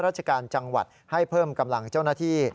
ราชการจังหวัดให้เพิ่มกำลังเจ้าหน้าที่